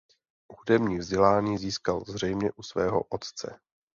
Hudební vzdělání získal zřejmě u svého otce.